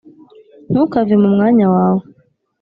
ntukave mu mwanya wawe